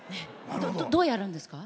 どうやるんですか？